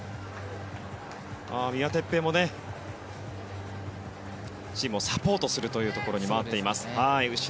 三輪哲平もチームをサポートするところに回っています。